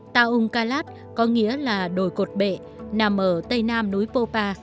taung kalat có nghĩa là đồi cột bệ nằm ở tây nam núi popa